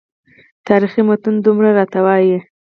تاریخي متون دومره راته وایي.